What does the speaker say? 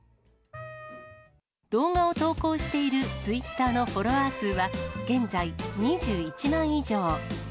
動画を投稿しているツイッターのフォロワー数は現在、２１万以上。